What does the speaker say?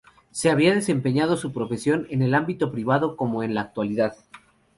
Se había desempeñado su profesión en el ámbito privado, como en la actualidad.